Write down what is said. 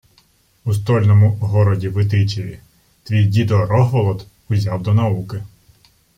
— У стольному городі Витичеві. Твій дідо Рогволод узяв до науки.